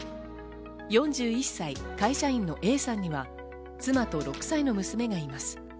４１歳会社員のＡさんには妻と６歳の娘がいます。